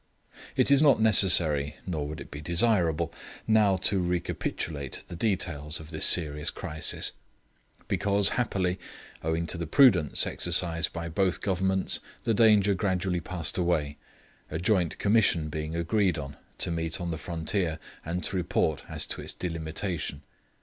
It is not necessary, nor would it be desirable, now to recapitulate the details of this serious crisis; because, happily, owing to the prudence exercised by both Governments, the danger gradually passed away, a Joint Commission being agreed on, to meet on the frontier, and to report as to its delimitation.